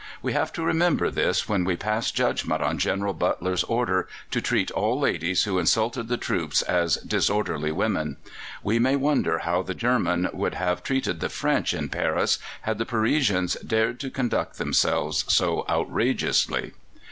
We have to remember this when we pass judgment on General Butler's order to treat all ladies who insulted the troops as disorderly women. We may wonder how the Germans would have treated the French in Paris had the Parisians dared to conduct themselves so outrageously.